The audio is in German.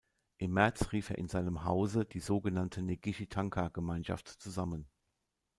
Im März rief er in seinem Hause die sogenannte Negishi-Tanka-Gemeinschaft zusammen.